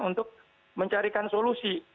untuk mencarikan solusi